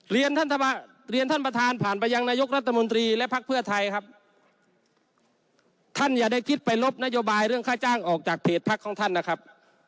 เรียนท่านประธานผ่านไปยังนายกรัฐมนตรีและพักเพื่อไทยครับท่านอย่าได้คิดไปลบนโยบายเรื่องค่าจ้างออกจากเพจพักของท่านนะครับ